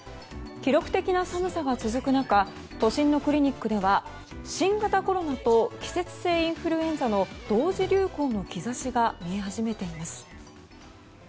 記録的な寒さが続く中都心のクリニックでは新型コロナと季節性インフルエンザの同時流行の兆しが見え始めています。